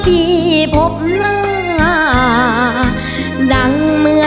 เข้ามาทุกที่